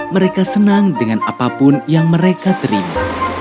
mereka senang dengan apapun yang mereka terima